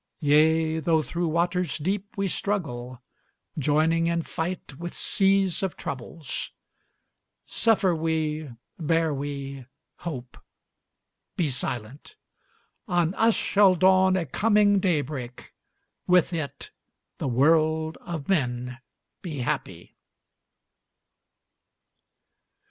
Yea, though through waters deep we struggle, Joining in fight with seas of troubles. Suffer we, bear we hope be silent! On us shall dawn a coming daybreak With it, the world of men be happy!